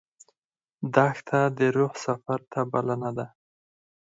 دښته د روح سفر ته بلنه ده.